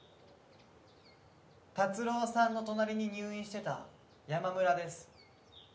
辰郎さんの隣に入院してた山村です。